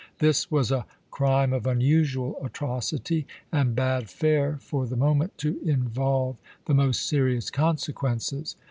This was a crime of unusual atrocity, and bade fair, for the moment, to involve the most serious consequences.